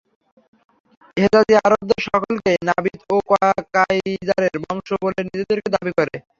হেজাযী আরবদের সকলেই নাবিত ও কায়জারের বংশ বলে নিজেদেরকে দাবি করে।